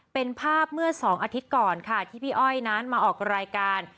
เป็นภาพเมื่อ๒อาทิตย์ก่อนค่ะที่พี่อ้อยนั้นมาออกรายการ